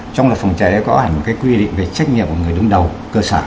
trong lập phòng cháy có hẳn cái quy định về trách nhiệm của người đứng đầu cơ sở